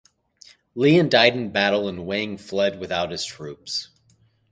Lian died in battle and Wang fled without his troops.